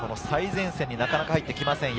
最前線になかなか入ってきます。